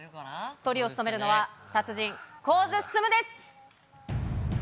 トリを務めるのは、達人、神津進です。